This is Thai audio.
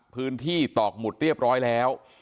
พื้นที่ตอกหมุดเรียบร้อยแล้ว